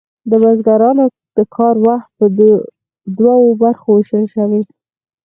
د بزګرانو د کار وخت په دوو برخو ویشل شوی و.